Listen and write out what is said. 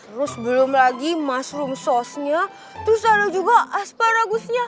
terus belum lagi mushroom sauce nya terus ada juga asparagus nya